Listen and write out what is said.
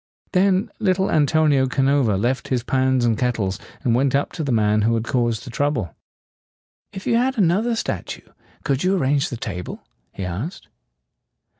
Then little Antonio Ca no va left his pans and kettles, and went up to the man who had caused the trouble. "If you had another statue, could you arrange the table?" he asked.